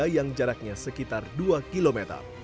yang jaraknya sekitar dua km